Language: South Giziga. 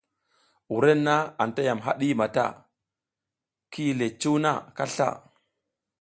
Wurenna anta yam haɗi mata, ki yi le cuw na kasla.